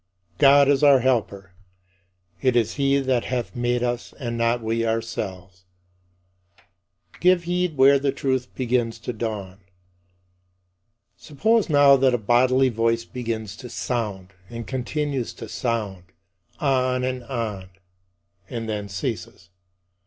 God is our Helper: "it is he that hath made us and not we ourselves." Give heed where the truth begins to dawn. Suppose now that a bodily voice begins to sound, and continues to sound on and on and then ceases.